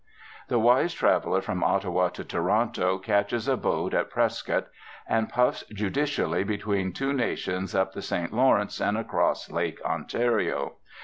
The wise traveller from Ottawa to Toronto catches a boat at Prescott, and puffs judicially between two nations up the St Lawrence and across Lake Ontario.